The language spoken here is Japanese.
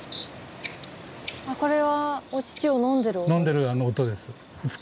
これはお乳を飲んでる音ですか？